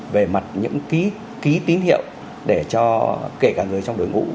về mặt những ký tín hiệu để cho kể cả người trong đội ngũ